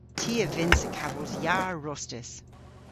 Ty a vynnsa kavos yar rostys.